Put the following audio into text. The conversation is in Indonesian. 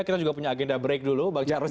kita juga punya agenda break dulu